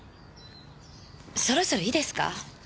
そろそろいいですか。